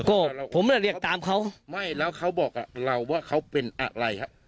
ก็ผมน่ะเรียกตามเขาไม่แล้วเขาบอกกับเราว่าเขาเป็นอะไรฮะ